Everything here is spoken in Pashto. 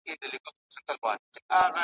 رنګین الفاظ یې رخت و زېور دی ,